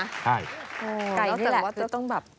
ใช่เราจำนว่าจะต้องแบบไก่นี่แหละ